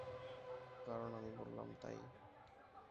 কারন আমি বললাম তাই।